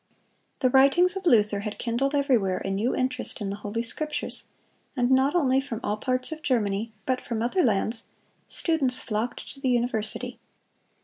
The writings of Luther had kindled everywhere a new interest in the Holy Scriptures, and not only from all parts of Germany, but from other lands, students flocked to the university.